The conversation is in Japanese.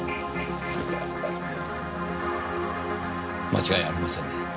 間違いありませんね。